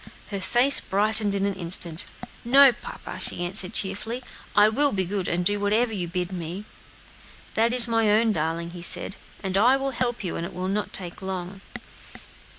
Her face brightened in an instant. "No, papa," she answered cheerfully, "I will be good, and do whatever you bid me." "That is my own darling," said he, "and I will help you, and it will not take long."